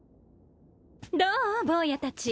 どう坊やたち。